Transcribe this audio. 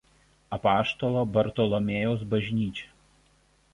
Apaštalo Bartalomiejaus bažnyčia.